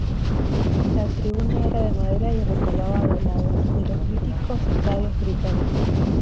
La tribuna era de madera y recordaba a las de los míticos estadios británicos.